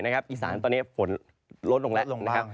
อีสานตอนนี้ฝนลดลงแล้ว